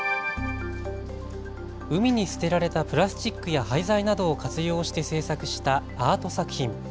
海に捨てられたプラスチックや廃材などを活用して制作したアート作品。